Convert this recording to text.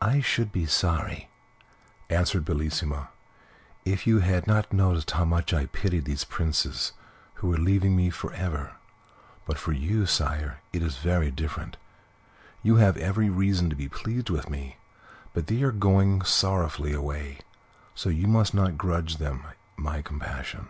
"I should be sorry," answered Bellissima, "if you had not noticed how much I pitied these princes who were leaving me for ever; but for you, sire, it is very different: you have every reason to be pleased with me, but they are going sorrowfully away, so you must not grudge them my compassion."